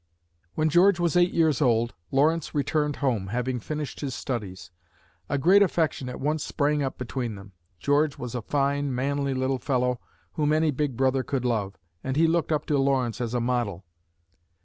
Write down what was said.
When George was eight years old, Lawrence returned home, having finished his studies. A great affection at once sprang up between them. George was a fine, manly little fellow whom any big brother could love, and he looked up to Lawrence as a model.